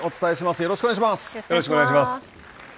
よろしくお願いします。